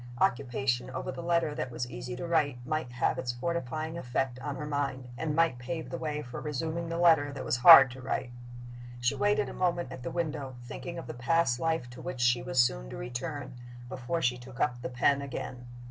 Occupation over the letter that was easy to write might have its fortifying effect on her mind, and might pave the way for resuming the letter that was hard to write. She waited a moment at the window, thinking of the past life to which she was soon to return, before she took up the pen again.